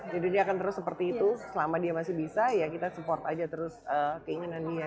jadi dia akan terus seperti itu selama dia masih bisa ya kita support aja terus keinginan dia